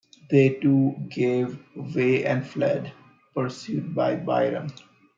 They too gave way and fled, pursued by Byron.